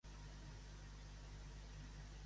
Com se suposa que és Llambregues?